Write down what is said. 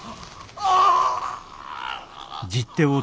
ああ。